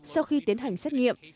sau khi tiến hành xét nghiệm